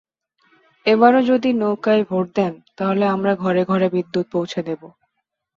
এবারও যদি নৌকায় ভোট দেন, তাহলে আমরা ঘরে ঘরে বিদ্যুত্ পৌঁছে দেব।